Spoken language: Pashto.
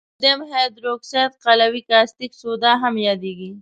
سودیم هایدروکساید قلوي کاستیک سوډا هم یادیږي.